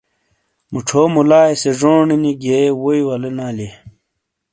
مُچھو مُلائیے سے جونی گیئے ووئی ولینا لیئے۔